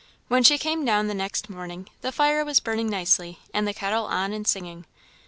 When she came down the next morning, the fire was burning nicely, and the kettle on and singing.